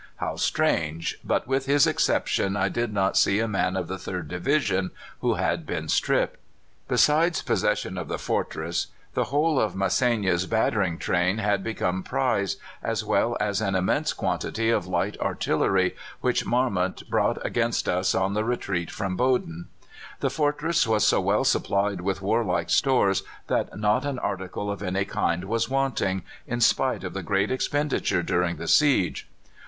How strange! but with his exception I did not see a man of the Third Division who had been stripped." Besides possession of the fortress, the whole of Masséna's battering train had become prize, as well as an immense quantity of light artillery which Marmont brought against us on the retreat from El Boden. The fortress was so well supplied with warlike stores that not an article of any kind was wanting, in spite of the great expenditure during the siege.